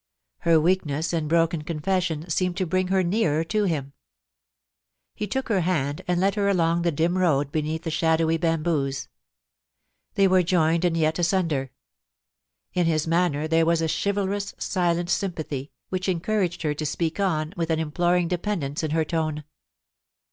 Her weakness and broken confession seemed to bring her nearer to him. He took her hand and led her along the dim road beneath the shadowy bamboos. They were joined and yet asunder. In his manner there was a chivalrous, silent sympathy, which encouraged her to sp>eak on, with an imploring depen dence in her tone.